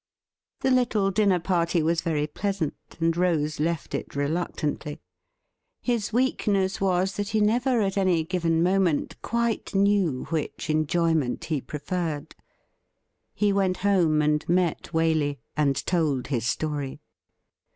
The little dinner party was very pleasant, and Rose left it reluctantly. His weakness was that he never at any given moment quite knew which enjoyment he preferred. He went home and met Waley, and told his story.